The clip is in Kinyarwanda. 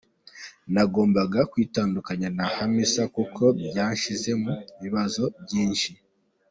Nagombaga kwitandukanya na Hamisa kuko byanshyize mu bibazo byinshi.